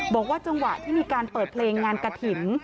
บอกว่าจังหวะที่มีการเปิดเพลงงานกระถิ่น